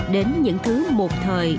đến những thứ một thời